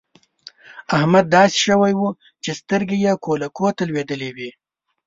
احمد داسې شوی وو چې سترګې يې کولکو ته لوېدلې وې.